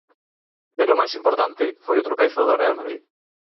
Pero o máis importante foi o tropezo do Real Madrid.